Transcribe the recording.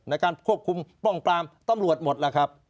ในการควบคุมป้องปรามตำรวจหมดล่ะครับ